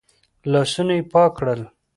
لاسونه يې پاک کړل.